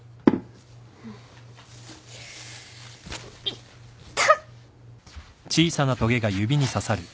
いった。